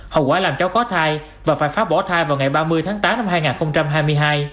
hậu quả làm cháu có thai và phải phá bỏ thai vào ngày ba mươi tháng tám năm hai nghìn hai mươi hai